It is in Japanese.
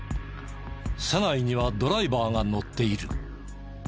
車内にはドライバーが乗っている。